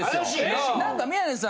何か宮根さん